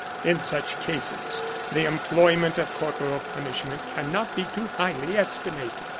In such cases the employment of corporal punishment cannot be too highly esti mated.